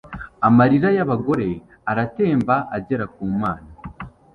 Amarira y'abagore aratemba agera ku mana